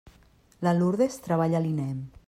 La Lurdes treballa a l'INEM.